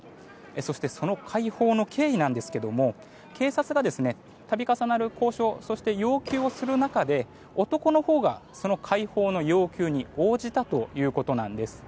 そしてその解放の経緯なんですけども警察が度重なる交渉そして要求をする中で男のほうが、その解放の要求に応じたということなんです。